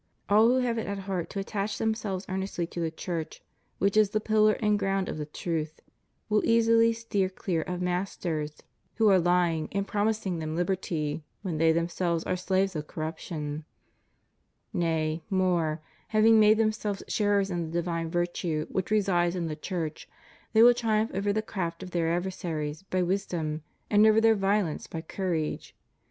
All who have it at heart to attach themselves earnestly to the Church, which is the pillar and ground of the truth,^ will easily steer clear of masters who ^ 1 Tim. iii. 15. CHIEF DUTIES OF CHRISTIANS AS CITIZENS 199 are lying and promising them, liberty, when they themselves are slaves of corruption} Nay, more, having made them selves sharers in the divine virtue which resides in the Church, they will triumph over the craft of their adver saries by wisdom, and over their violence by courage.